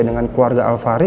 dengan keluarga alfahri